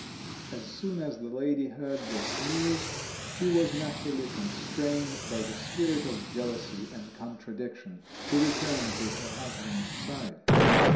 As soon as the lady heard this news she was naturally constrained, by the spirit of jealousy and contradiction, to return to her husband's side.